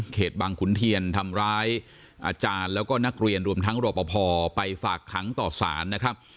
บังขุนเทียนทำร้ายอาจารย์แล้วก็นักเรียนรวมทั้งรอปภไปฝากขังต่อสารนะครับ